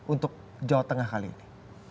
untuk jawa tengah kali ini